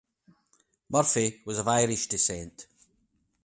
Murphy was of Irish descent.